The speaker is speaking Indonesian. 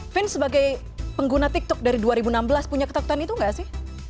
vin sebagai pengguna tiktok dari dua ribu enam belas punya ketakutan itu nggak sih